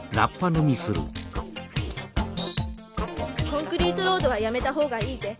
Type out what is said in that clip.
「『コンクリートロード』はやめたほうがいいぜ」。